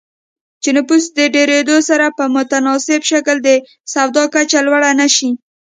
چې نفوس د ډېرېدو سره په متناسب شکل د سواد کچه لوړه نه شي